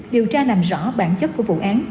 điều tra làm rõ bản chất của vụ án